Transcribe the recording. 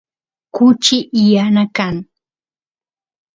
kuchi yana kan